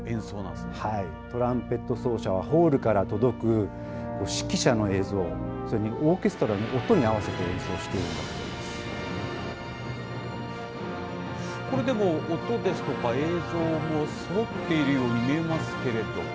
トランペット奏者はホールから届く指揮者の映像、それにオーケストラの音に合わせて演奏してこれ、でも音ですとか映像もそろっているように見えますけれども。